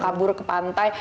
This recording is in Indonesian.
kabur ke pantai